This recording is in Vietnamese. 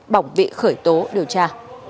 bỏng bị khởi tố điều tra